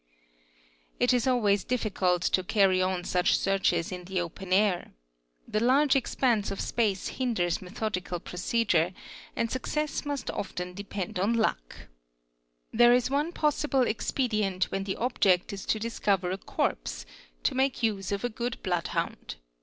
It is always difficult to carry on such searches in, the open air. ~The — large expanse of space hinders methodical bicean and success 'must often depend on luck. There is one possible expedient when the object is to discover a corpse, to make use of a good bloodhound.